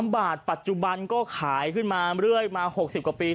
๓บาทปัจจุบันก็ขายขึ้นมาเรื่อยมา๖๐กว่าปี